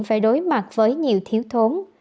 phải đối mặt với nhiều thiếu thốn